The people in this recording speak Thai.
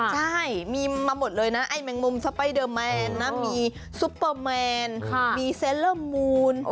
ใช่มีมาหมดเลยนะไอ้แมงมุมสไปเดอร์แมนนะมีซุปเปอร์แมนมีเซลเลอร์มูล